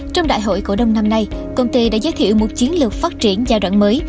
trong đại hội cổ đông năm nay công ty đã giới thiệu một chiến lược phát triển giai đoạn mới